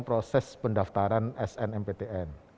proses pendaftaran snmptn